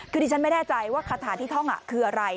คือดิฉันไม่แน่ใจว่าคาถาที่ท่องคืออะไร